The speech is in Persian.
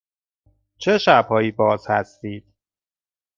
چه شب هایی باز هستید؟